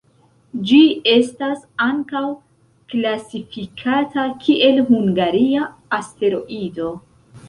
Ĝi estas ankaŭ klasifikata kiel hungaria asteroido.